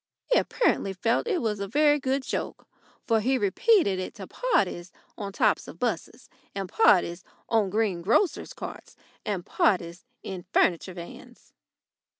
He apparently felt it was a very good joke, for he repeated it to parties on the tops of buses and parties on greengrocers' carts and parties in furniture vans.